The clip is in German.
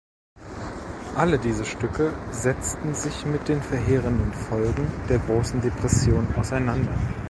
Alle diese Stücke setzten sich mit den verheerenden Folgen der Großen Depression auseinander.